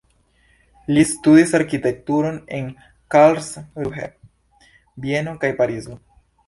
Li studis arkitekturon en Karlsruhe, Vieno kaj Parizo.